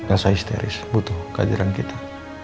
elsa histeris butuh keajaran kita